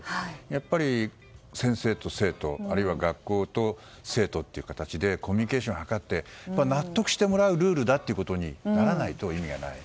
やっぱり先生と生徒あるいは学校と生徒という形でコミュニケーションを図って納得してもらうルールにならないといけない。